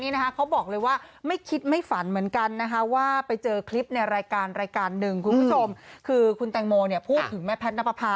เขาบอกเลยว่าไม่คิดไม่ฝันเหมือนกันนะคะว่าไปเจอคลิปในรายการรายการหนึ่งคุณผู้ชมคือคุณแตงโมเนี่ยพูดถึงแม่แพทย์นับประพา